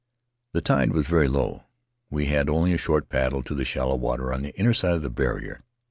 The tide was very low; we had only a short paddle to the shallow water on the inner side of the barrier.